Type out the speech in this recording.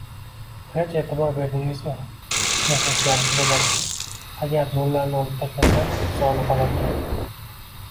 Hech e'tibor berdingizmi ni teskarisi bo'larkan. Agar nollarni olib tashlasa "" soni qolarkan.